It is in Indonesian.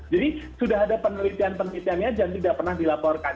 jadi sudah ada penelitian penelitiannya dan tidak pernah dilaporkan